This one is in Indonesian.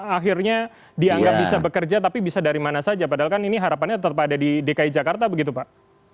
akhirnya dianggap bisa bekerja tapi bisa dari mana saja padahal kan ini harapannya tetap ada di dki jakarta begitu pak